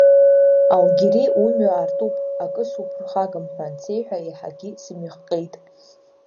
Алгьери умҩа аартуп, акы суԥырхагам ҳәа ансеиҳәа еиҳагьы сымҩахҟьеит.